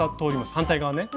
反対側ね。